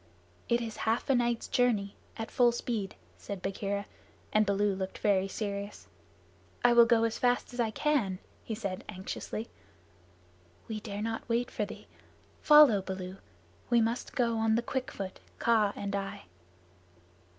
"It is half a night's journey at full speed," said Bagheera, and Baloo looked very serious. "I will go as fast as I can," he said anxiously. "We dare not wait for thee. Follow, Baloo. We must go on the quick foot Kaa and I."